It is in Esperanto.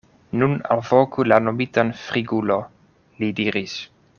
Nun alvoku la nomitan Frigulo, li diris.